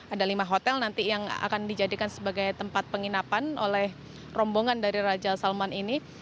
ada lima hotel nanti yang akan dijadikan sebagai tempat penginapan oleh rombongan dari raja salman ini